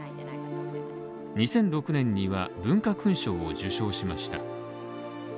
２００６年には文化勲章を受章しました。